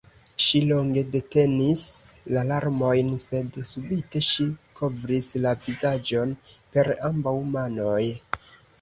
Ŝi longe detenis la larmojn, sed subite ŝi kovris la vizaĝon per ambaŭ manoj.